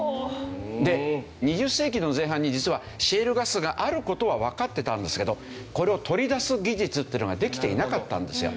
で２０世紀の前半に実はシェールガスがある事はわかってたんですけどこれを取り出す技術っていうのができていなかったんですよ。